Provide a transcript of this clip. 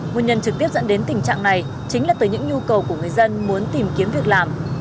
nguyên nhân trực tiếp dẫn đến tình trạng này chính là từ những nhu cầu của người dân muốn tìm kiếm việc làm